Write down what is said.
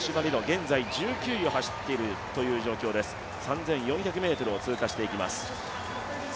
現在１９位を走っているという状況です、３４００ｍを通過していきます。